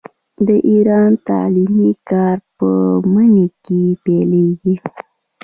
د ایران تعلیمي کال په مني کې پیلیږي.